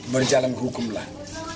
berjalan hukum lah